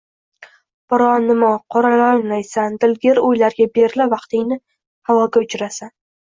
Biron nima qoralayolmaysan, dilgir o`ylarga berilib, vaqtingni havoga uchirasan